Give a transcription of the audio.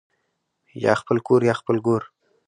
یا خپل کور یا خپل ګور